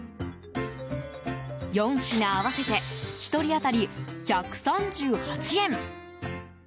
４品合わせて１人当たり１３８円。